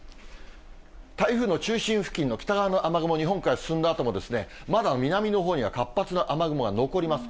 台風の中心付近の北側の雨雲、日本海へ進んだあともまだ南のほうには活発な雨雲が残ります。